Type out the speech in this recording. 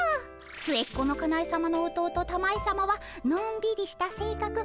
末っ子のかなえさまの弟たまえさまはのんびりしたせいかく。